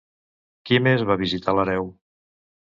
Qui més va visitar l'hereu?